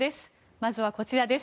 まずはこちらです。